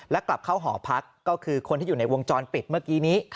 และกลับเข้าหอพักก็คือคนที่อยู่ในวงจรปิดเมื่อกี้นี้